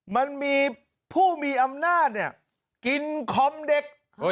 มันมีผู้มีอำนาจเนี่ยกินคอมเด็ก